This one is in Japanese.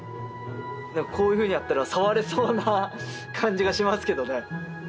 何かこういうふうにやったら触れそうな感じがしますけどね。